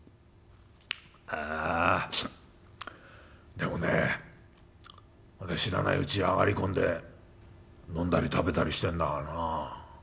でもね知らないうち上がり込んで飲んだり食べたりしてんだからなあ。